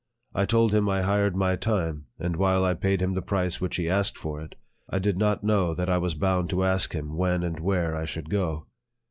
I told him I hired my time, and while I paid him the price which he asked for it, I did not know that I was bound to ask him when and where I should go.